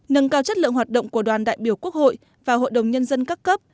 nâng cao chất lượng hoạt động của đoàn đại biểu quốc hội và hội đồng nhân dân các cấp